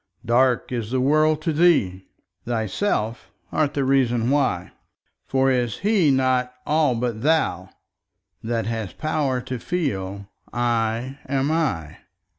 Dark is the world to thee: thyself art the reason why; For is He not all but thou, that hast power to feel 'I am I'?